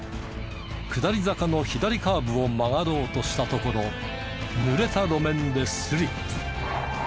下り坂の左カーブを曲がろうとしたところぬれた路面でスリップ。